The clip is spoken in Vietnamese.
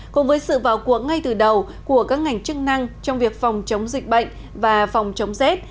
cùng với sự vào cuộng ngay từ đầu của các ngành chức năng trong việc phòng chống dịch bệnh và phòng chống rét